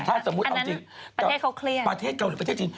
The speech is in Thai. ถ้าสมมุติเอาจริงประเทศเกาหลีประเทศจีน